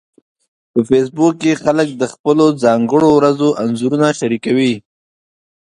په فېسبوک کې خلک د خپلو ځانګړو ورځو انځورونه شریکوي